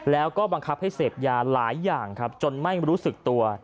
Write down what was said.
แล้วก็บังคับให้เสพยาหลายอย่างครับจนไม่รู้สึกตัว